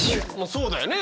そうだよね。